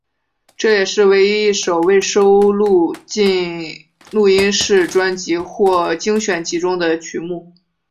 这也是唯一一首未收录进录音室专辑或精选集中的曲目。